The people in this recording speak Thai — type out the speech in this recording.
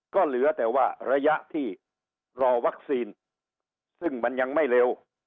ก็เหลือแต่ว่าระยะที่รอวัคซีนซึ่งมันยังไม่เร็ว